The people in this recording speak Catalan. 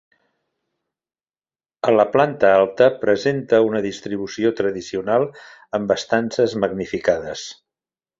A la planta alta presenta una distribució tradicional amb estances magnificades.